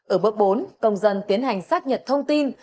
ở bước bốn công dân tiến hành xác nhận thông tin